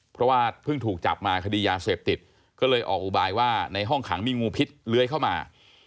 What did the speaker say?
เพราะว่าเพิ่งถูกจับมาคดียาเสพติดก็เลยออกอุบายว่าในห้องขังมีงูพิษเลื้อยเข้ามา